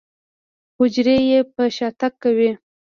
حجرې يې په شاتګ کوي.